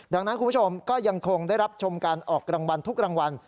ดังนั้นคุณผู้ชมก็ยังคงได้รับชมการออกรางวัลทุกรางวัล